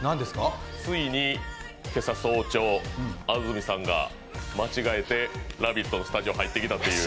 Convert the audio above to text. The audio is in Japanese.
ついに今朝、早朝、安住さんが間違えて「ラヴィット！」のスタジオに入ってきたという。